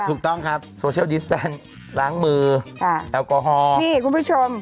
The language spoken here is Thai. ถูกต้องครับโซเชียลดิสแตนล้างมือค่ะแอลกอฮอล์นี่คุณผู้ชม